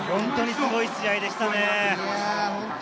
本当にすごい試合でしたね。